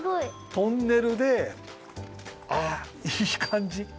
トンネルであいいかんじ。